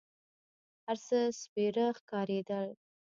هر څه سپېره ښکارېدل.